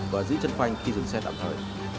và giữ chân khoanh khi dùng xe tạm thời